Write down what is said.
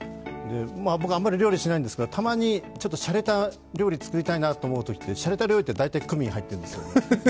僕、あんまり料理しないんですけどたまにちょっとしゃれた料理作りたいなと思うとしゃれた料理って大体、クミンが入ってるんですよ。